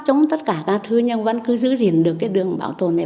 trong tất cả các thứ nhưng vẫn cứ giữ gìn được cái đường bảo tồn này